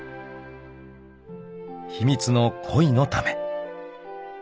［秘密の恋のため］